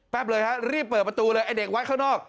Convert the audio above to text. เลยฮะรีบเปิดประตูเลยไอ้เด็กวัดข้างนอก